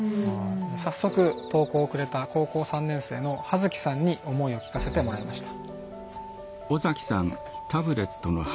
早速投稿をくれた高校３年生の葉月さんに思いを聞かせてもらいました。